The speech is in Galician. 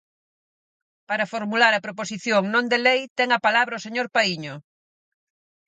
Para formular a proposición non de lei, ten a palabra o señor Paíño.